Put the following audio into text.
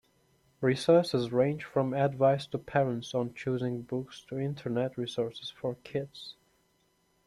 Resources range from advice to parents on choosing books to internet resources for kids.